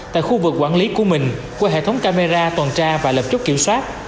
tại khu vực quản lý của mình qua hệ thống camera toàn tra và lập chốt kiểm soát